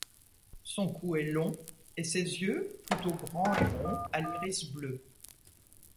Son cou est long et ses yeux plutôt grands et ronds à l'iris bleu.